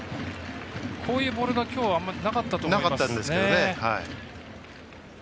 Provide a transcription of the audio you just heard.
こういうボールがきょうあんまりなかったと思いますが。